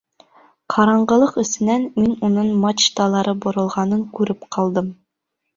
Ҡараңғылыҡ эсенән мин уның мачталары боролғанын күреп ҡалдым.